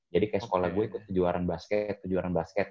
jadi kayak sekolah gue itu kejuaraan basket kejuaraan basket